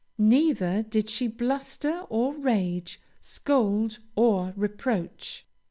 Neither did she bluster or rage, scold or reproach.